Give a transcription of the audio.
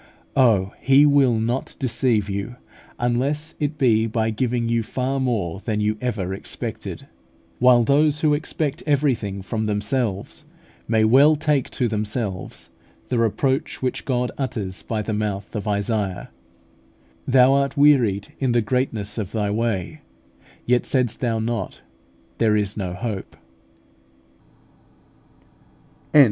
Oh, He will not deceive you, unless it be by giving you far more than you ever expected: while those who expect everything from themselves may well take to themselves the reproach which God utters by the mouth of Isaiah: "Thou art wearied in the greatness of thy way; yet saidst thou not, There is no hope" (Isa.